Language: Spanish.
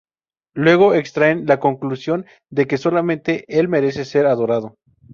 Luego extraen la conclusión de que solamente El merece ser adorado.